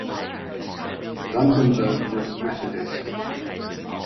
Vandenberg was Methodist.